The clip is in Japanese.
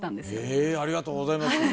へぇありがとうございます。